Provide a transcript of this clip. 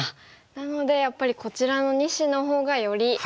なのでやっぱりこちらの２子のほうがより危ない石。